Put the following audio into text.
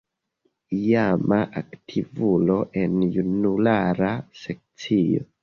Iama aktivulo en junulara sekcio.